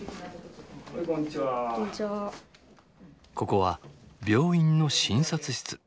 ここは病院の診察室。